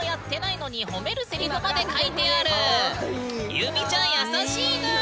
ゆうみちゃん優しいぬん！